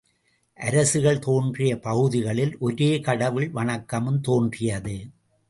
அரசுகள் தோன்றிய பகுதிகளில், ஒரே கடவுள் வணக்கமும் தோன்றியது.